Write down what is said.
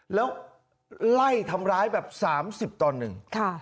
แล้วไล่ทำร้ายแบบสามสิบตอนหนึ่งค่ะ